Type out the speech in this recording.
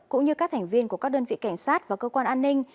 cũng như các thành viên của các đơn vị cảnh sát và cơ quan an ninh